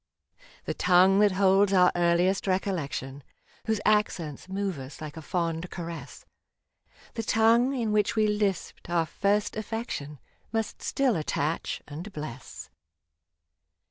The tongue that holds our earliest recollection, Whose accents moved us like a fond caress — The tongue in which we lisped our first affec tion, Must still attach and bless.